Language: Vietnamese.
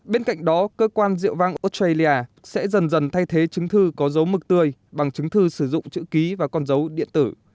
bên cạnh đó cơ quan rượu vang australia sẽ dần dần thay thế chứng thư có dấu mực tươi bằng chứng thư sử dụng chữ ký và con dấu điện tử